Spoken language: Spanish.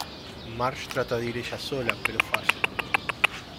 Marge trata de ir ella sola, pero falla.